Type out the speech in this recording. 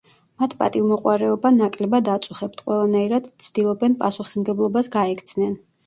მათ პატივმოყვარეობა ნაკლებად აწუხებთ, ყველანაირად ცდილობენ პასუხისმგებლობას გაექცნენ.